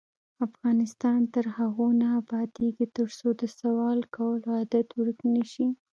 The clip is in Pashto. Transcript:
افغانستان تر هغو نه ابادیږي، ترڅو د سوال کولو عادت ورک نشي.